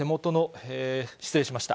失礼しました。